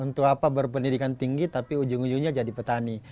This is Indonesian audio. untuk apa berpendidikan tinggi tapi ujung ujungnya jadi petani